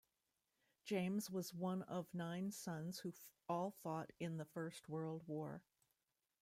James was one of nine sons who all fought in the First World War.